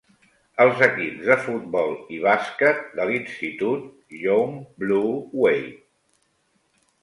Els equips de futbol i bàsquet de l'Institut Yonge Blue Wave.